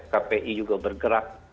kpi juga bergerak